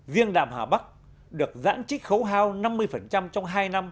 viêng đạm hảo bắc được giãn trích khấu hao năm mươi trong hai năm hai nghìn một mươi sáu hai nghìn một mươi bảy